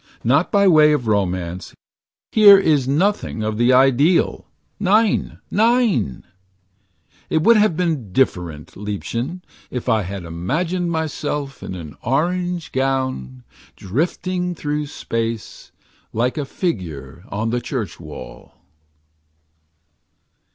Not by way of romance — Here is nothing of the ideal, Nein, Nein . It would have been different, Liebchen, If I had imagined myself. In an orange gown. Drifting through space. Like a figure on the church wall.